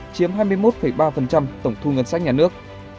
chiếm hai mươi một ba tổng thu ngân sách nhà nước